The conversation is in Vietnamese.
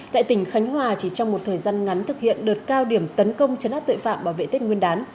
tại tỉnh khánh hòa chỉ trong một thời gian ngắn thực hiện đợt cao điểm tấn công chấn áp tuệ phạm bảo vệ tích nguyên đán